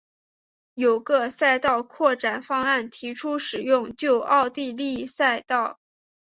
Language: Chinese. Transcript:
有个赛道扩展方案提出使用旧奥地利赛道。